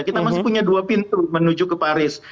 kita masih punya dua pintu menuju ke paris